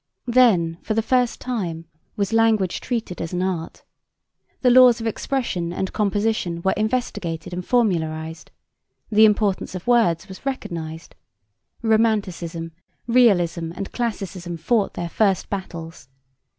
Then, for the first time, was language treated as an art. The laws of expression and composition were investigated and formularised. The importance of words was recognised. Romanticism, Realism and Classicism fought their first battles.